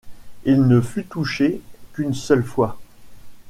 Il ne fut touché qu'une seule fois.